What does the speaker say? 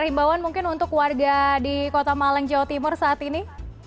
himbauan mungkin untuk warga di kota malang jawa timur saat ini